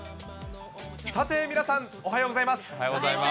さて皆さんおはようございます。